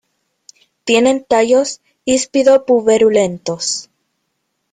Tiene tallos híspido-puberulentos.